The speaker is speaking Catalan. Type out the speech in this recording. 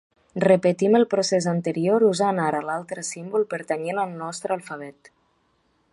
Repetim el procés anterior usant ara l'altre símbol pertanyent al nostre alfabet.